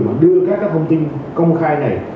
mà đưa các thông tin công khai này